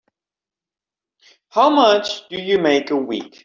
How much do you make a week?